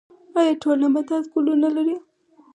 ایا ټول نباتات ګلونه لري؟